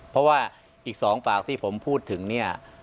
เพราะว่าอีก๒ปากที่ผมพูดถึงเนี่ย